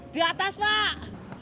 di atas pak